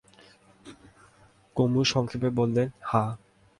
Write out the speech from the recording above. কমু সংক্ষেপে বললে, হাঁ।